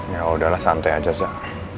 ya udahlah santai aja zah